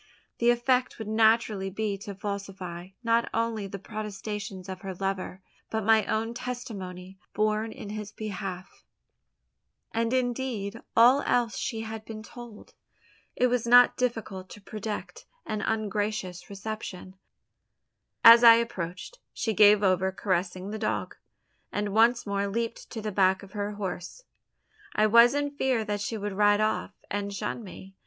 The effect would naturally be to falsify, not only the protestations of her lover, but my own testimony borne in his behalf, and indeed all else she had been told. It was not difficult to predict an ungracious reception. As I approached, she gave over caressing the dog; and once more leaped to the back of her horse. I was in fear that she would ride off, and shun me.